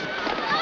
あ！